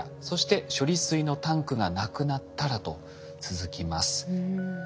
そして処理水のタンクがなくなったらと続きます。